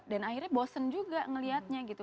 dan akhirnya bosen juga ngelihatnya gitu